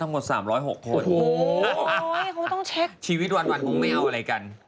ทั้งหมด๓๐๖คนชีวิตวันวันคงไม่เอาอะไรกัน